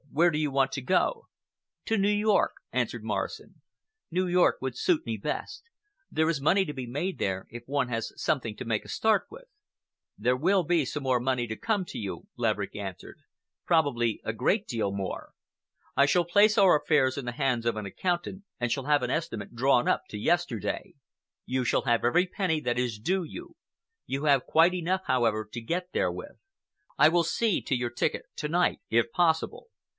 Where do you want to go?" "To New York," answered Morrison; "New York would suit me best. There is money to be made there if one has something to make a start with." "There will be some more money to come to you," Laverick answered, "probably a great deal more. I shall place our affairs in the hands of an accountant, and shall have an estimate drawn up to yesterday. You shall have every penny that is due to you. You have quite enough, however, to get there with. I will see to your ticket to night, if possible.